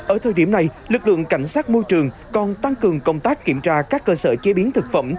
ở thời điểm này lực lượng cảnh sát môi trường còn tăng cường công tác kiểm tra các cơ sở chế biến thực phẩm